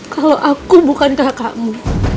kalau aku bukan kakakmu